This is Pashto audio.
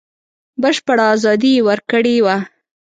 بشپړه ازادي یې ورکړې وه.